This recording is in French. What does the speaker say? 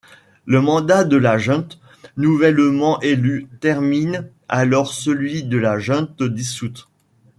Le mandat de la Junte nouvellement élue termine alors celui de la Junte dissoute.